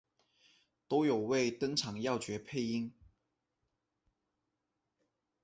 都有为登场要角配音。